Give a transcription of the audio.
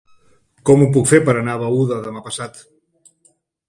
Com ho puc fer per anar a Beuda demà passat?